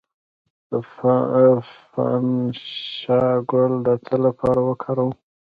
د بنفشه ګل د څه لپاره وکاروم؟